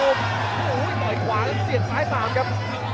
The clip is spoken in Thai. โอ้โหต่อยขวาแล้วเสียบซ้ายตามครับ